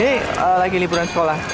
ini lagi liburan sekolah